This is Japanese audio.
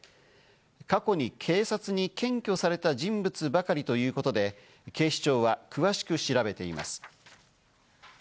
過去に警察に検挙された人物ばかりということで、警視庁は詳しく調べています。